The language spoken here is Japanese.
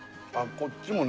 こっちもね